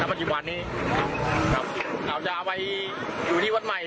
ปัจจุบันนี้อาจจะเอาไปอยู่ที่วัดใหม่